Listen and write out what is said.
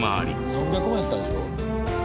３００万やったんでしょ？